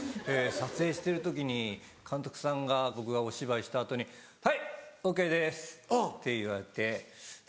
撮影してる時に監督さんが僕がお芝居した後に「はいＯＫです」って言われて。